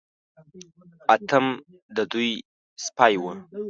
اتم د دوی سپی و.